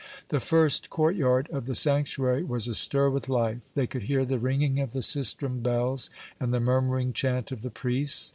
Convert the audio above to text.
The first court yard of the sanctuary was astir with life. They could hear the ringing of the sistrum bells and the murmuring chant of the priests.